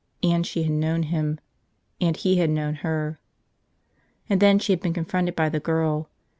And she had known him. And he had known her. And then she had been confronted by the girl.